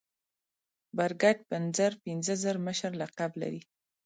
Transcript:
برګډ پنځر پنځه زر مشر لقب لري.